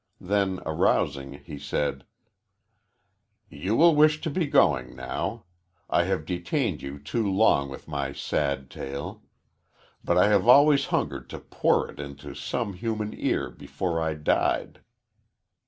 Then, arousing, he said: "You will wish to be going now. I have detained you too long with my sad tale. But I have always hungered to pour it into some human ear before I died.